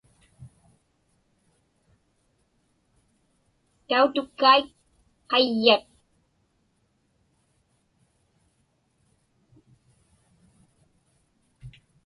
Tautukkaik qayyat.